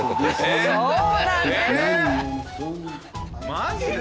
マジで？